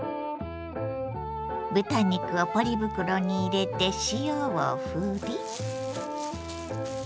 豚肉をポリ袋に入れて塩をふり。